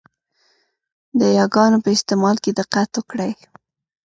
د یاګانو په استعمال کې دقت وکړئ!